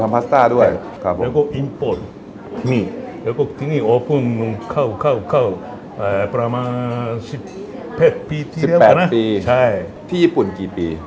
ใช่ที่ญี่ปุ่นกี่ปี